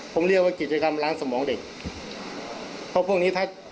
ผมเรียกว่ากิจกรรมล้างสมองเด็กเพราะพวกนี้ถ้า